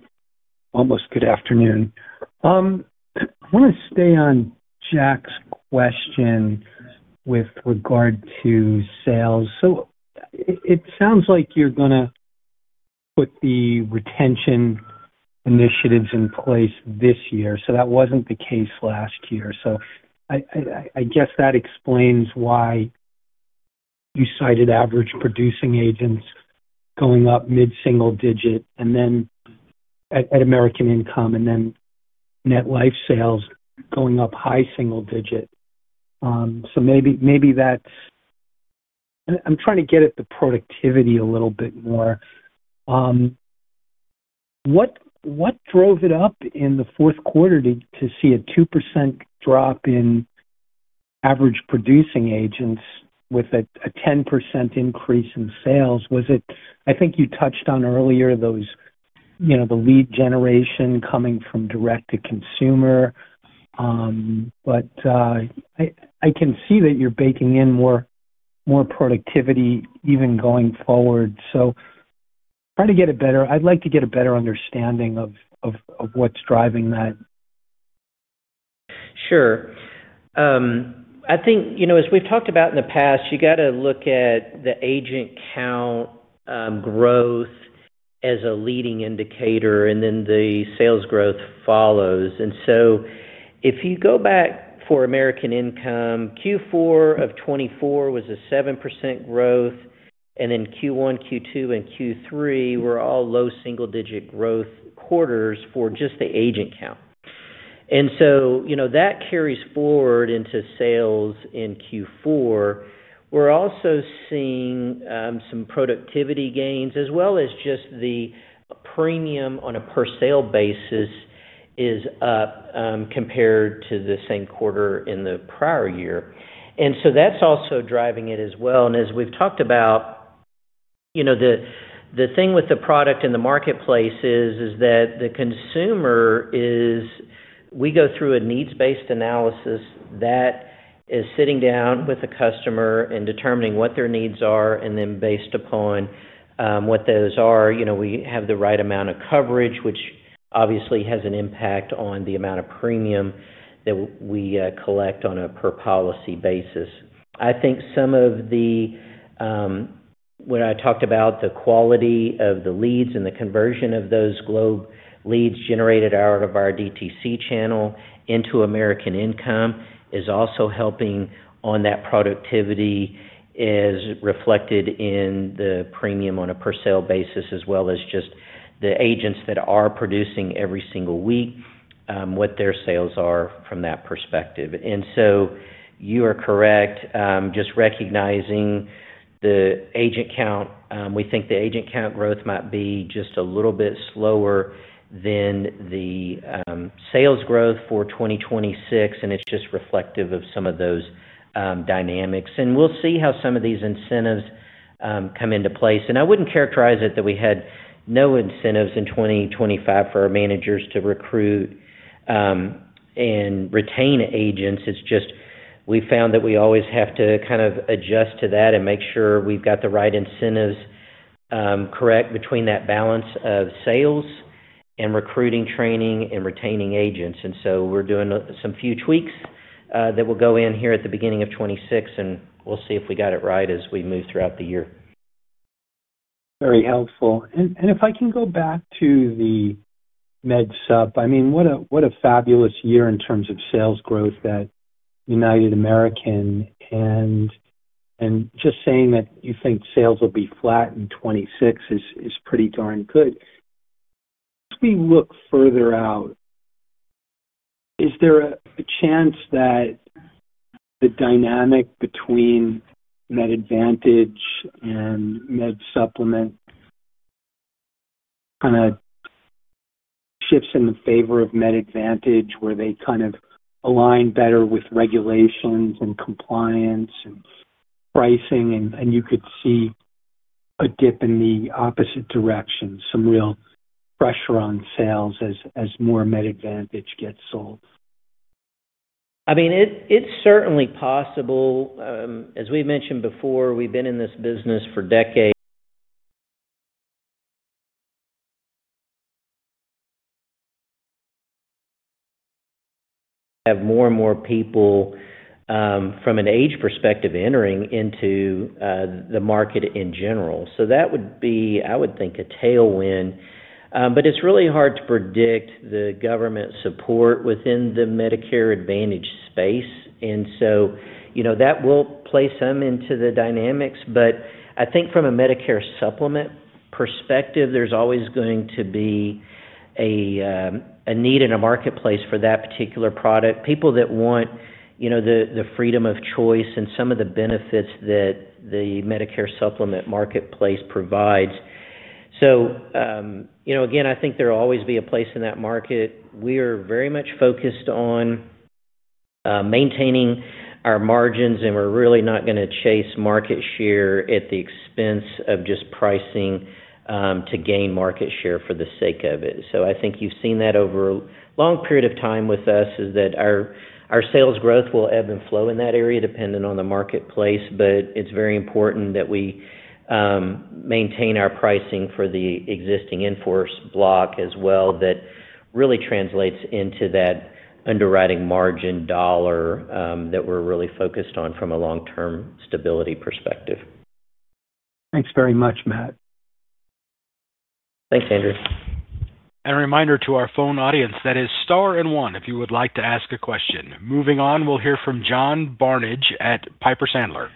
Almost good afternoon. I want to stay on Jack's question with regard to sales. So it sounds like you're going to put the retention initiatives in place this year. So that wasn't the case last year. So I guess that explains why you cited average producing agents going up mid-single-digit, and then at American Income, and then net life sales going up high single-digit. So maybe that's... I'm trying to get at the productivity a little bit more. What drove it up in the fourth quarter to see a 2% drop in average producing agents with a 10% increase in sales? Was it... I think you touched on earlier those, you know, the lead generation coming from direct-to-consumer. But, I can see that you're baking in more productivity even going forward. I'd like to get a better understanding of what's driving that. Sure. I think, you know, as we've talked about in the past, you got to look at the agent count growth as a leading indicator, and then the sales growth follows. And so if you go back for American Income, Q4 of 2024 was a 7% growth, and then Q1, Q2, and Q3 were all low single-digit growth quarters for just the agent count. And so, you know, that carries forward into sales in Q4. We're also seeing some productivity gains, as well as just the premium on a per sale basis is up, compared to the same quarter in the prior year. And so that's also driving it as well. And as we've talked about, you know, the thing with the product in the marketplace is that the consumer is we go through a needs-based analysis that is sitting down with the customer and determining what their needs are, and then based upon what those are, you know, we have the right amount of coverage, which obviously has an impact on the amount of premium that we collect on a per policy basis. I think some of the when I talked about the quality of the leads and the conversion of those Globe leads generated out of our DTC channel into American Income is also helping on that productivity is reflected in the premium on a per sale basis, as well as just the agents that are producing every single week what their sales are from that perspective. You are correct, just recognizing the agent count. We think the agent count growth might be just a little bit slower than the sales growth for 2026, and it's just reflective of some of those dynamics. We'll see how some of these incentives come into place. I wouldn't characterize it that we had no incentives in 2025 for our managers to recruit and retain agents. It's just we found that we always have to kind of adjust to that and make sure we've got the right incentives correct between that balance of sales and recruiting, training, and retaining agents. We're doing some few tweaks that will go in here at the beginning of 2026, and we'll see if we got it right as we move throughout the year. Very helpful. And if I can go back to the Med Supp, I mean, what a fabulous year in terms of sales growth at United American, and just saying that you think sales will be flat in 2026 is pretty darn good. As we look further out, is there a chance that the dynamic between Med Advantage and Med Supplement kinda shifts in the favor of Med Advantage, where they kind of align better with regulations and compliance and pricing, and you could see a dip in the opposite direction, some real pressure on sales as more Med Advantage gets sold? I mean, it, it's certainly possible. As we mentioned before, we've been in this business for decades. Have more and more people, from an age perspective, entering into, the market in general. So that would be, I would think, a tailwind. But it's really hard to predict the government support within the Medicare Advantage space. And so, you know, that will play some into the dynamics. But I think from a Medicare Supplement perspective, there's always going to be a, a need in a marketplace for that particular product. People that want, you know, the, the freedom of choice and some of the benefits that the Medicare Supplement marketplace provides. So, you know, again, I think there'll always be a place in that market. We are very much focused on maintaining our margins, and we're really not gonna chase market share at the expense of just pricing to gain market share for the sake of it. So I think you've seen that over a long period of time with us, is that our sales growth will ebb and flow in that area, depending on the marketplace, but it's very important that we maintain our pricing for the existing in-force block as well. That really translates into that underwriting margin dollar that we're really focused on from a long-term stability perspective. Thanks very much, Matt. Thanks, Andrew. A reminder to our phone audience, that is star and one if you would like to ask a question. Moving on, we'll hear from John Barnidge at Piper Sandler.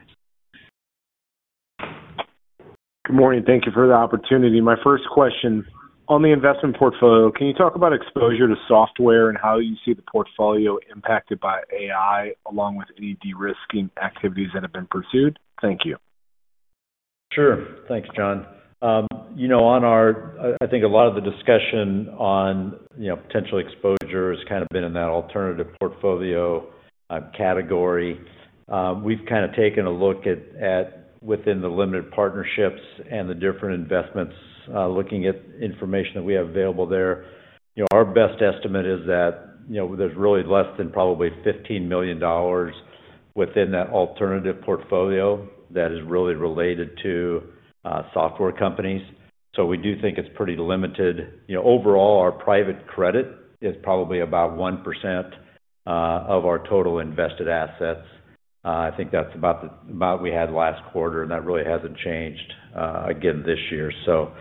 Good morning. Thank you for the opportunity. My first question, on the investment portfolio, can you talk about exposure to software and how you see the portfolio impacted by AI, along with any de-risking activities that have been pursued? Thank you. Sure. Thanks, John. You know, on our, I think a lot of the discussion on, you know, potential exposure has kind of been in that alternative portfolio category. We've kind of taken a look at within the limited partnerships and the different investments, looking at information that we have available there. You know, our best estimate is that, you know, there's really less than probably $15 million within that alternative portfolio that is really related to software companies. So we do think it's pretty limited. You know, overall, our private credit is probably about 1% of our total invested assets. I think that's about what we had last quarter, and that really hasn't changed again this year. So,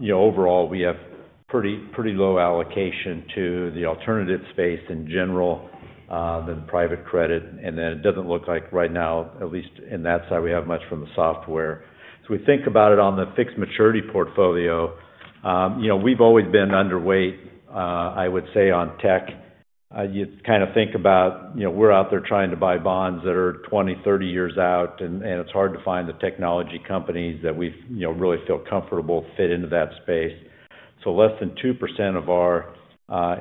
you know, overall, we have pretty low allocation to the alternative space in general than private credit. And then it doesn't look like right now, at least in that side, we have much from the software. As we think about it on the fixed maturity portfolio, you know, we've always been underweight, I would say, on tech. You kind of think about, you know, we're out there trying to buy bonds that are 20, 30 years out, and it's hard to find the technology companies that we, you know, really feel comfortable fit into that space. So less than 2% of our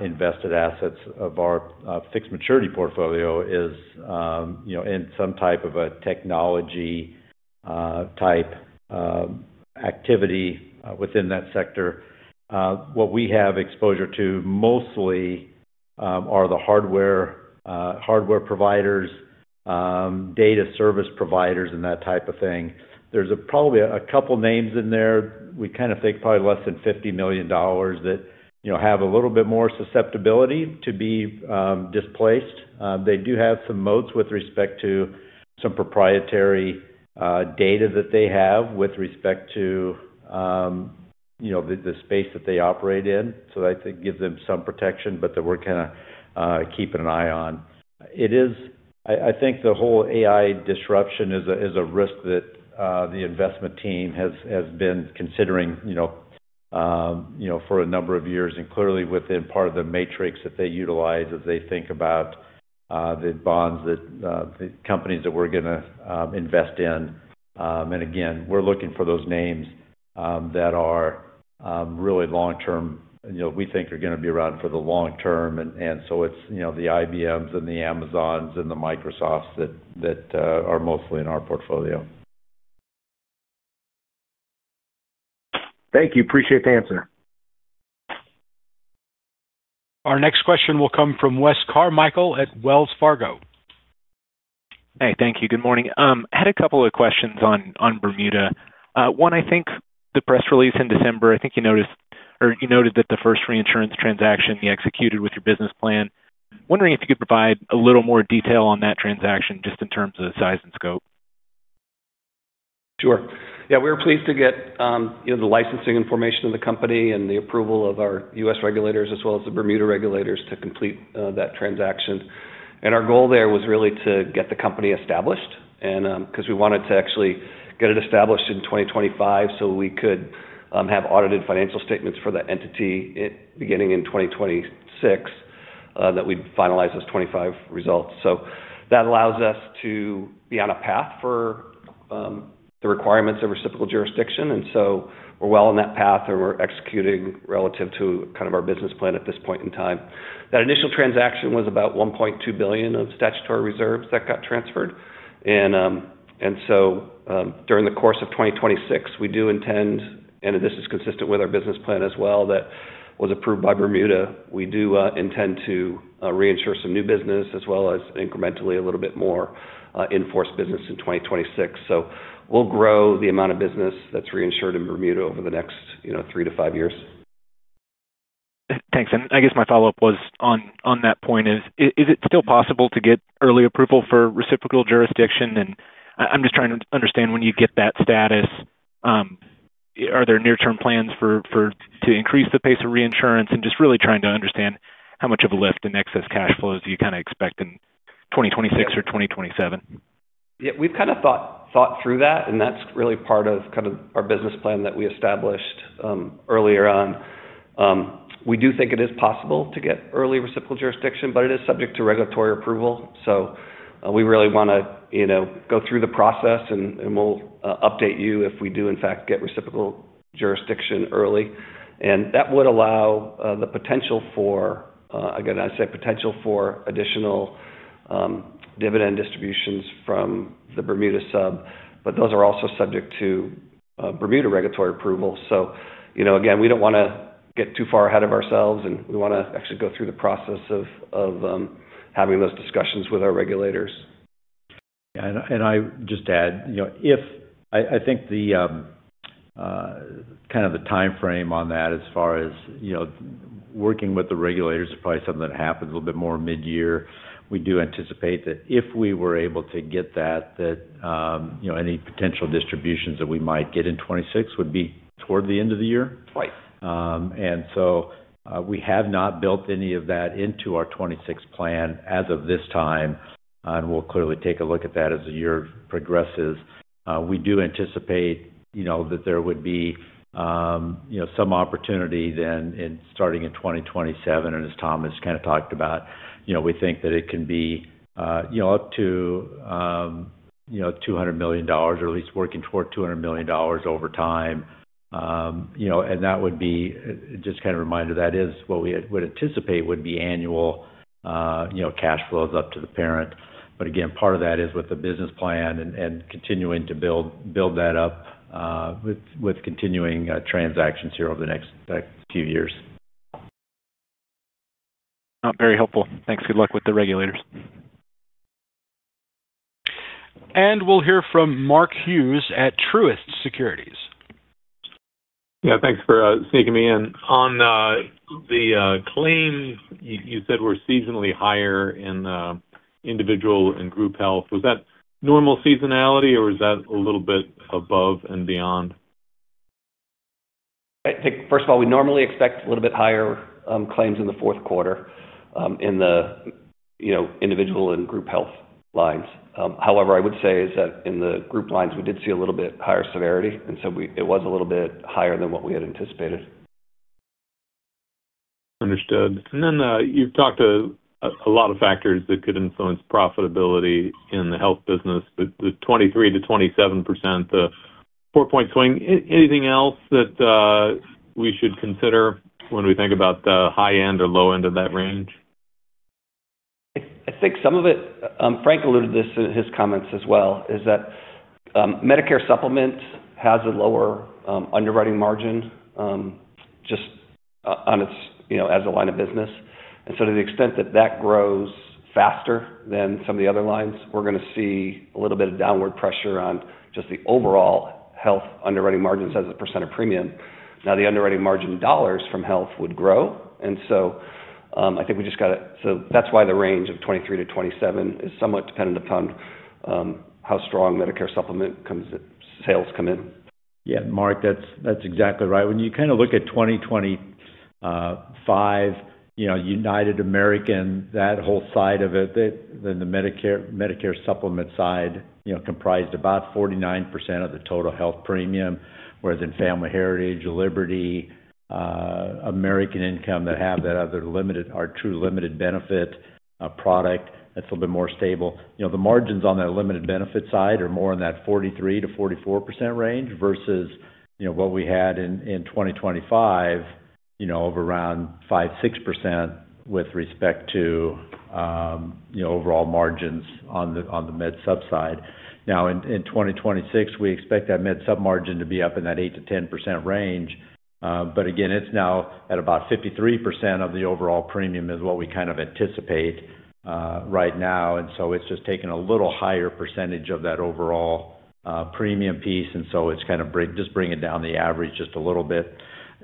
invested assets of our fixed maturity portfolio is, you know, in some type of a technology type activity within that sector. What we have exposure to mostly are the hardware hardware providers, data service providers, and that type of thing. There's probably a couple names in there. We kinda think probably less than $50 million that, you know, have a little bit more susceptibility to be displaced. They do have some moats with respect to some proprietary data that they have with respect to, you know, the space that they operate in. So that, I think, gives them some protection, but that we're kinda keeping an eye on. It is, I think, the whole AI disruption is a risk that the investment team has been considering, you know, you know, for a number of years, and clearly within part of the matrix that they utilize as they think about the bonds that the companies that we're gonna invest in. And again, we're looking for those names that are really long-term, you know, we think are gonna be around for the long term. And so it's, you know, the IBMs and the Amazons and the Microsofts that are mostly in our portfolio.... Thank you. Appreciate the answer. Our next question will come from Wes Carmichael at Wells Fargo. Hey, thank you. Good morning. I had a couple of questions on Bermuda. One, I think the press release in December, I think you noticed or you noted that the first reinsurance transaction you executed with your business plan. Wondering if you could provide a little more detail on that transaction, just in terms of the size and scope. Sure. Yeah, we were pleased to get, you know, the licensing information of the company and the approval of our U.S. regulators, as well as the Bermuda regulators, to complete that transaction. And our goal there was really to get the company established and, 'cause we wanted to actually get it established in 2025 so we could have audited financial statements for that entity beginning in 2026, that we'd finalize those 2025 results. So that allows us to be on a path for the requirements of reciprocal jurisdiction, and so we're well on that path, and we're executing relative to kind of our business plan at this point in time. That initial transaction was about $1.2 billion of statutory reserves that got transferred. So, during the course of 2026, we do intend, and this is consistent with our business plan as well, that was approved by Bermuda, we do intend to reinsure some new business as well as incrementally a little bit more in-force business in 2026. So we'll grow the amount of business that's reinsured in Bermuda over the next, you know, 3-5 years. Thanks. And I guess my follow-up was on that point, is it still possible to get early approval for reciprocal jurisdiction? And I'm just trying to understand when you get that status, are there near-term plans to increase the pace of reinsurance? And just really trying to understand how much of a lift in excess cash flows do you kinda expect in 2026 or 2027. Yeah, we've kind of thought through that, and that's really part of kind of our business plan that we established earlier on. We do think it is possible to get early reciprocal jurisdiction, but it is subject to regulatory approval. So we really wanna, you know, go through the process, and we'll update you if we do, in fact, get reciprocal jurisdiction early. And that would allow the potential for again, I'd say potential for additional dividend distributions from the Bermuda sub, but those are also subject to Bermuda regulatory approval. So, you know, again, we don't wanna get too far ahead of ourselves, and we wanna actually go through the process of having those discussions with our regulators. I just add, you know, if I, I think the kind of the timeframe on that as far as, you know, working with the regulators is probably something that happens a little bit more mid-year. We do anticipate that if we were able to get that, that, you know, any potential distributions that we might get in 2026 would be toward the end of the year. Right. and so, we have not built any of that into our 2026 plan as of this time, and we'll clearly take a look at that as the year progresses. We do anticipate, you know, that there would be, you know, some opportunity then in starting in 2027, and as Thomas kind of talked about, you know, we think that it can be, you know, up to, you know, $200 million or at least working toward $200 million over time. You know, and that would be just kind of a reminder, that is what we would anticipate would be annual, you know, cash flows up to the parent. But again, part of that is with the business plan and continuing to build that up with continuing transactions here over the next few years. Very helpful. Thanks. Good luck with the regulators. We'll hear from Mark Hughes at Truist Securities. Yeah, thanks for sneaking me in. On the claims, you said were seasonally higher in individual and group health, was that normal seasonality, or is that a little bit above and beyond? I think, first of all, we normally expect a little bit higher claims in the fourth quarter in the, you know, individual and group health lines. However, I would say is that in the group lines, we did see a little bit higher severity, and so it was a little bit higher than what we had anticipated. Understood. And then, you've talked to a lot of factors that could influence profitability in the health business, the 23%-27%, the four-point swing. Anything else that we should consider when we think about the high end or low end of that range? I think some of it, Frank alluded to this in his comments as well, is that, Medicare Supplement has a lower underwriting margin, just on its, you know, as a line of business. And so to the extent that that grows faster than some of the other lines, we're going to see a little bit of downward pressure on just the overall health underwriting margins as a percent of premium. Now, the underwriting margin dollars from health would grow, and so, I think we just gotta. So that's why the range of 23%-27% is somewhat dependent upon, how strong Medicare Supplement comes in, sales come in. Yeah, Mark, that's, that's exactly right. When you kind of look at 2025, you know, United American, that whole side of it, the, then the Medicare, Medicare Supplement side, you know, comprised about 49% of the total health premium, whereas in Family Heritage, Liberty, American Income, that have that other limited or true limited benefit, product, that's a little bit more stable. You know, the margins on that limited benefit side are more in that 43% to 44% range versus, you know, what we had in, in 2025, you know, of around 5% to 6% with respect to, you know, overall margins on the, on the med sub side. Now, in, in 2026, we expect that med sub margin to be up in that 8% to 10% range. But again, it's now at about 53% of the overall premium is what we kind of anticipate, right now. And so it's just taking a little higher percentage of that overall, premium piece, and so it's kind of just bringing down the average just a little bit.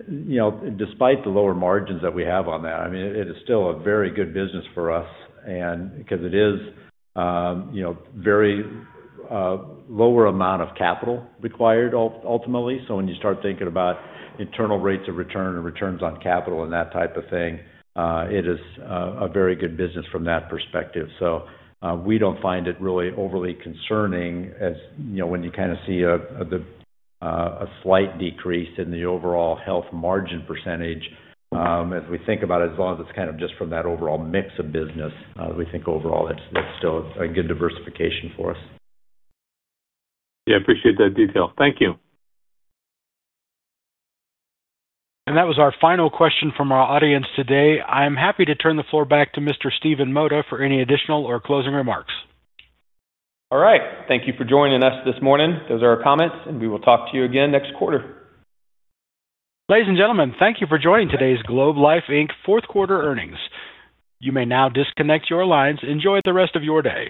You know, despite the lower margins that we have on that, I mean, it is still a very good business for us and because it is, you know, very, lower amount of capital required ultimately. So when you start thinking about internal rates of return and returns on capital and that type of thing, it is, a very good business from that perspective. So, we don't find it really overly concerning, as, you know, when you kind of see a, the, a slight decrease in the overall health margin percentage. As we think about it, as long as it's kind of just from that overall mix of business, we think overall that's, that's still a good diversification for us. Yeah, I appreciate that detail. Thank you. That was our final question from our audience today. I'm happy to turn the floor back to Mr. Stephen Mota for any additional or closing remarks. All right. Thank you for joining us this morning. Those are our comments, and we will talk to you again next quarter. Ladies and gentlemen, thank you for joining today's Globe Life Inc. fourth quarter earnings. You may now disconnect your lines. Enjoy the rest of your day.